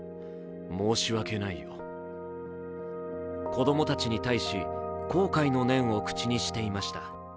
子供たちに対し、後悔の念を口にしていました。